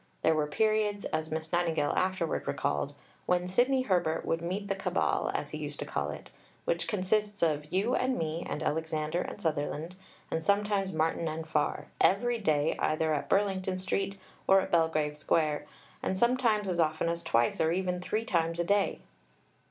There were periods, as Miss Nightingale afterwards recalled, "when Sidney Herbert would meet the Cabal, as he used to call it, which consists of 'you and me and Alexander and Sutherland, and sometimes Martin and Farr,' every day either at Burlington Street, or at Belgrave Square, and sometimes as often as twice or even three times a day."